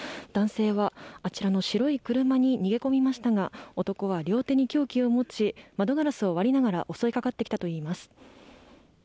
男性はあちらの白い車に逃げ込みましたが男は両手に凶器を持ち窓ガラスを割りながら襲いかかってきたといいます。